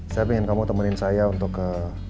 saya ingin kamu temenin saya untuk ke